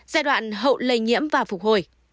giai đoạn hậu lây nhiễm và phục hồi